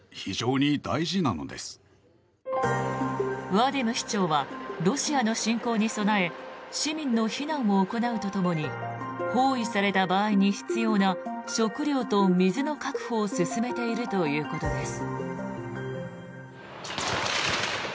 ワディム市長はロシアの侵攻に備え市民の避難を行うとともに包囲された場合に必要な食料と水の確保を進めているということです。